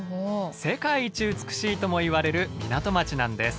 世界一美しいともいわれる港町なんです。